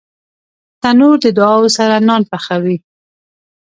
تنور د دعاوو سره نان پخوي